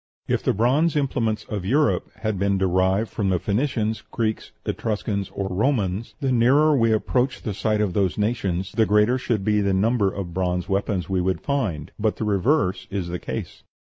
If the bronze implements of Europe had been derived from the Phoenicians, Greeks, Etruscans, or Romans, the nearer we approached the site of those nations the greater should be the number of bronze weapons we would find; but the reverse is the case.